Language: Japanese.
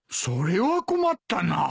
それは困ったな。